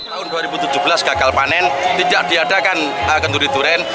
tahun dua ribu tujuh belas gagal panen tidak diadakan kenduri durian